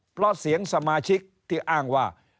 เพราะเสียงสมาชิกที่อ้างว่า